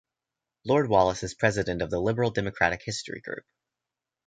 Lord Wallace is President of the Liberal Democrat History Group.